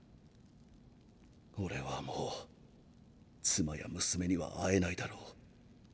俺はもう妻や娘には会えないだろう。